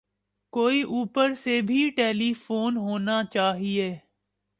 کوئی اوپر سے بھی ٹیلی فون ہونا چاہئے